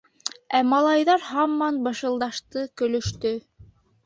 Ә малайҙар һаман бышылдашты, көлөштө.